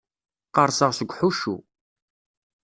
Qqerṣeɣ seg uḥuccu.